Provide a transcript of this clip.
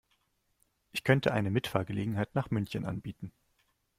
Ich könnte eine Mitfahrgelegenheit nach München anbieten